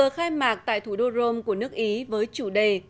khai mạc tại thủ đô rome của nước ý với chủ đề